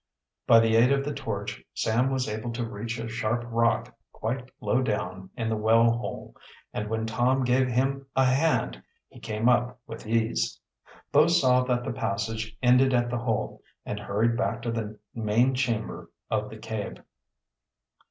By the aid of the torch, Sam was able to reach a sharp rock quite low down in the well hole, and when Tom gave him a hand he came up with ease. Both saw that the passage ended at the hole and hurried back to the main chamber of the cave.